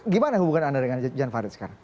gimana hubungan anda dengan jan farid sekarang